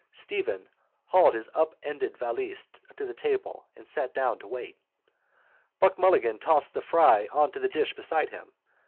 Stephen haled his upended valise to the table and sat down to wait. Buck Mulligan tossed the fry on to the dish beside him.